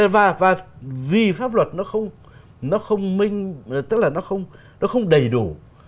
và vì pháp luật nó không đầy đủ